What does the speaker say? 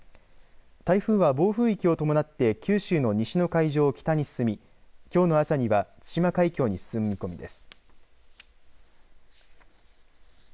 台風は暴風域を伴って九州の西の海上を北に進みきょうの朝には対馬海峡に進む見込みです。